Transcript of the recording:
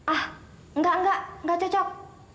ah enggak enggak enggak cocok